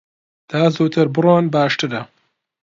تا زووتر بڕۆن باشترە.